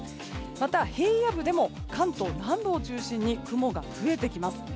また、平野部でも関東南部を中心に雲が増えてきます。